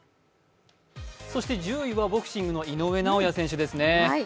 １０位はボクシングの井上尚弥選手ですね。